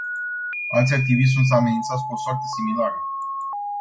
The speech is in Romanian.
Alți activiști sunt amenințați cu o soartă similară.